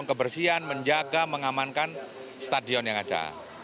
untuk menjaga kebersihan menjaga mengamankan stadion yang ada